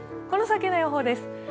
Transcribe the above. この先の予報です。